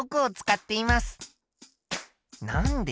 なんで？